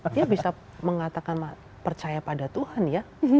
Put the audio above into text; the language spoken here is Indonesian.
dia bisa mengatakan percaya pada tuhan ya